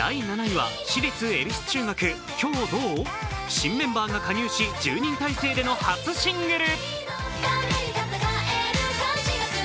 新メンバーが加入し１０人体制での初シングル。